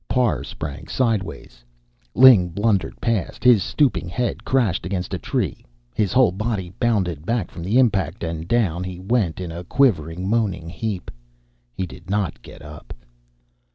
Parr sprang sidewise. Ling blundered past. His stooping head crashed against a tree, his whole body bounded back from the impact, and down he went in a quivering, moaning heap. He did not get up.